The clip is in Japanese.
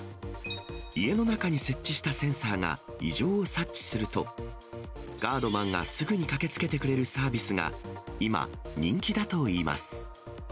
家の中に設置したセンサーが異常を察知すると、ガードマンがすぐに駆けつけてくれるサービスが今、人気だといいます。